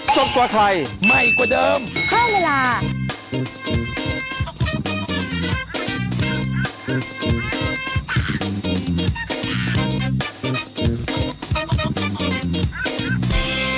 สวัสดีครับ